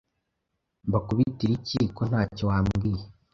Mbakubitire icyi ko ntacyo wambwiye